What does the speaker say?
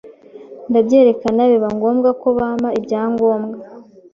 ndabyerekana biba ngombwa ko bampa ibyangombwa